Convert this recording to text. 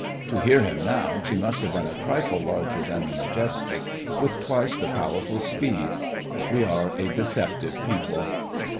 To hear him now she must have been a trifle larger than the Majestic with twice the Powerful's speed. We are a deceptive people.